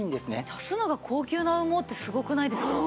足すのが高級な羽毛ってすごくないですか？